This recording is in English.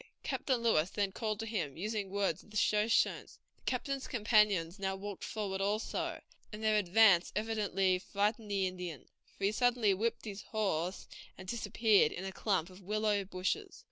Captain Lewis then called to him, using words of the Shoshones. The captain's companions now walked forward, also, and their advance evidently frightened the Indian, for he suddenly whipped his horse and disappeared in a clump of willow bushes.